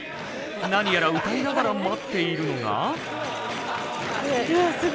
何やら歌いながら待っているのが。